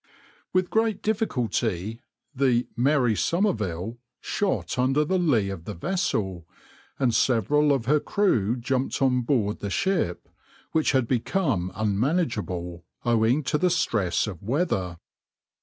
\par With great difficulty the {\itshape{Mary Somerville}} shot under the lea of the vessel, and several of her crew jumped on board the ship, which had become unmanageable, owing to the stress of weather.